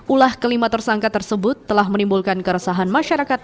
ulah kelima tersangka tersebut telah menimbulkan keresahan masyarakat